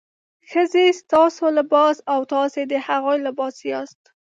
ښځې ستاسو لباس او تاسې د هغوی لباس یاست.